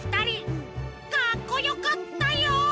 かっこよかったよ！